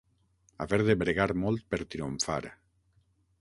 Haver de bregar molt per triomfar.